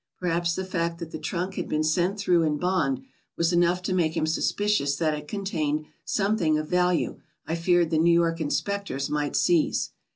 Per haps the fact that the trunk had been sent through in bond was enough to make him suspicious that it contained some thing of value I feared the New York inspectors might seize.